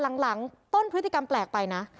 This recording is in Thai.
หลังต้นพฤติกรรมแปลกไปนะ